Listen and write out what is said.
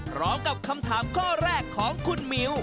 พร้อมกับคำถามข้อแรกของคุณมิ้ว